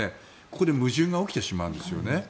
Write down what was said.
ここで矛盾が起きてしまうんですよね。